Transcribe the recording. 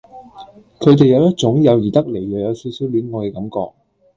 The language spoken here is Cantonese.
佢哋有一種友誼得嚟又有少少戀愛嘅感覺